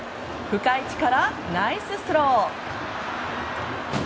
深い位置からナイススロー！